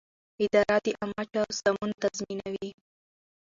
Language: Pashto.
اداره د عامه چارو سمون تضمینوي.